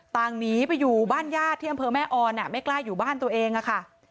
หนีไปอยู่บ้านญาติที่อำเภอแม่ออนไม่กล้าอยู่บ้านตัวเองอะค่ะ